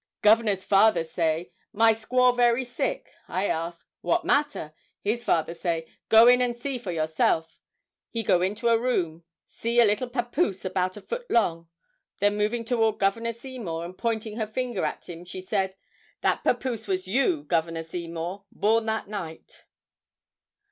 Governor's father say: 'My squaw very sick.' I ask, 'What matter?' His father say, 'Go in and see for yourself.' He go into a room; see a little pappoose about a foot long." Then moving toward Governor Seymour, and pointing her finger at him, she said: "That pappoose was you, Governor Seymour, born that night."